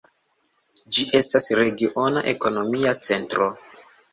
Ĝi estas regiona ekonomia centro.